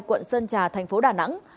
quận sơn trà thành phố đà nẵng